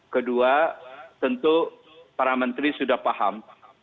kedua tentu para menteri sudah paham